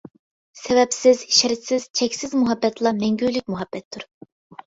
سەۋەبسىز، شەرتسىز، چەكسىز مۇھەببەتلا مەڭگۈلۈك مۇھەببەتتۇر.